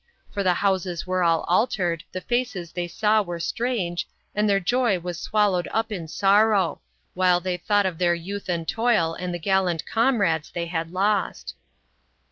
For the houses were all altered, the faces they saw were strange, and their joy was swallowed up in sorrow, while they thought of their youth and toil and the gallant comrades they had lost.